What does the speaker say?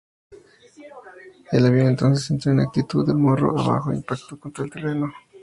El avión entonces entró en actitud de morro abajo e impactó contra el terreno.